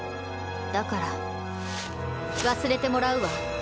だから忘れてもらうわ。